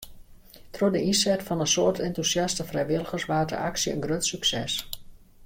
Troch de ynset fan in soad entûsjaste frijwilligers waard de aksje in grut sukses.